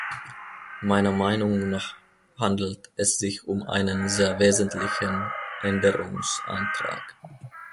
Meiner Meinung nach handelt es sich um einen sehr wesentlichen Änderungsantrag.